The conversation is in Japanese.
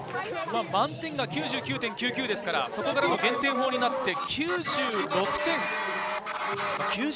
満点が９９．９９ですから、そこからの減点法で９６．１０。